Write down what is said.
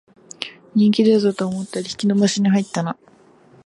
人気出たと思ったら引き延ばしに入ったな